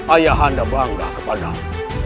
ayah anda bangga kepadamu